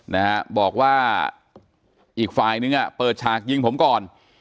นะฮะบอกว่าอีกฝ่ายนึงอ่ะเปิดฉากยิงผมก่อน